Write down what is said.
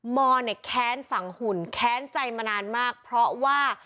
อเนี่ยแค้นฝังหุ่นแค้นใจมานานมากเพราะว่า